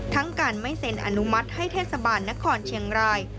ทั้งการไม่เซ็นอนุมัติให้เทศบาลนครเชียงราย